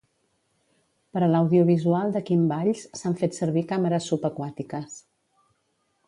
Per a l'audiovisual de Quim Valls s'han fet servir càmeres subaquàtiques.